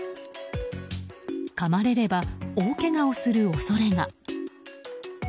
かまれれば大けがをする恐れが。